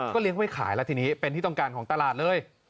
เลี้ยงไม่ขายแล้วทีนี้เป็นที่ต้องการของตลาดเลย